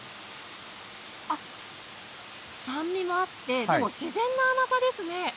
酸味もあって結構、自然な甘さですね。